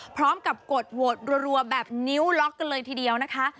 กดโหวตรัวแบบนิ้วล็อกกันเลยทีเดียวนะคะ